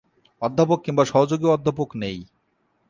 অধ্যাপক কিংবা সহযোগী অধ্যাপক নেই।